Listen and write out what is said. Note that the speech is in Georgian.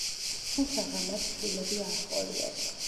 თუმცაღა მათ შვილები არ ჰყოლიათ.